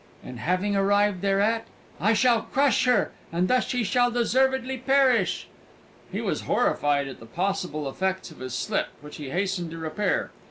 And having arrived thereat, I shall crush her, and thus she shall deservedly perish!" He was horrified at the possible effects of his slip, which he hastened to repair.